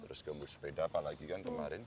terus gembur sepeda apalagi kan kemarin